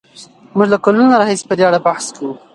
موږ له کلونو راهیسې په دې اړه بحث کوو.